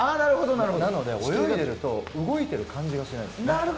なので泳いでいると動いている感じがしないんです。